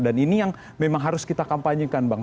dan ini yang memang harus kita kampanye kan bang